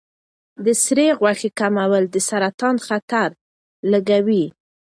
د سرې غوښې کمول د سرطان خطر لږوي.